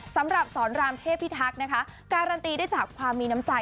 สำหรับศรรามเทพธรรมที่การันตีจากความมีน้ำใจ